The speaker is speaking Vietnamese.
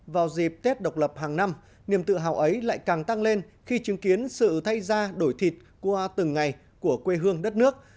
vào dịp tết độc lập hàng năm niềm tự hào ấy lại càng tăng lên khi chứng kiến sự thay ra đổi thịt qua từng ngày của quê hương đất nước